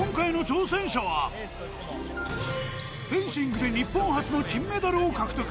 フェンシングで日本初の金メダルを獲得